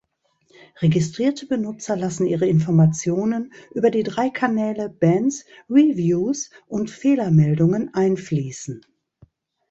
Registrierte Benutzer lassen ihre Informationen über die drei Kanäle Bands, Reviews und Fehlermeldungen einfließen.